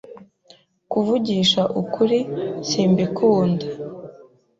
Kuvugisha ukuri, simbikunda.